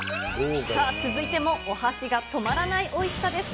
続いてもお箸が止まらないおいしさです。